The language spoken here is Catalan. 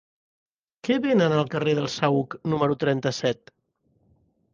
Què venen al carrer del Saüc número trenta-set?